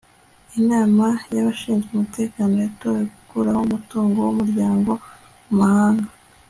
inama y'abashinzwe umutekano yatoye gukuraho umutungo w'umuryango mu mahanga